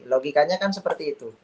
logikanya kan seperti itu